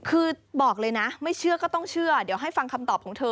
คือบอกเลยนะไม่เชื่อก็ต้องเชื่อเดี๋ยวให้ฟังคำตอบของเธอ